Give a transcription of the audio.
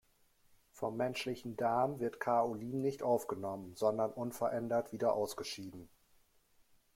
Vom menschlichen Darm wird Kaolin nicht aufgenommen, sondern unverändert wieder ausgeschieden.